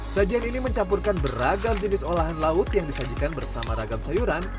sajian ini mencampurkan beragam jenis olahan laut yang disajikan bersama ragam sayuran